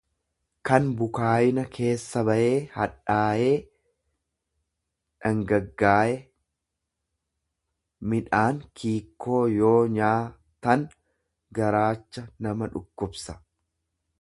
kan bukaayina keessa bayee hadhaayee, dhangaggaaye; Midhaan kiikkoo yoo nyaa tan garaacha nama dhukkubsa.